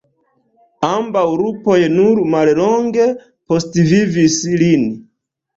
Ambaŭ lupoj nur mallonge postvivis lin.